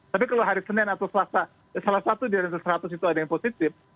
tapi kalau hari senin atau selasa salah satu di atas seratus itu ada yang positif